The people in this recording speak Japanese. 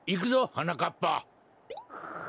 はなかっぱ！